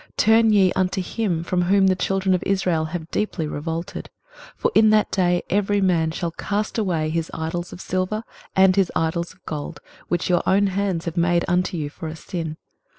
23:031:006 Turn ye unto him from whom the children of Israel have deeply revolted. 23:031:007 For in that day every man shall cast away his idols of silver, and his idols of gold, which your own hands have made unto you for a sin.